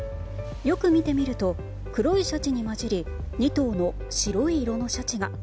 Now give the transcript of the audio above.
よく見てみると黒いシャチに交じり２頭の白い色のシャチが。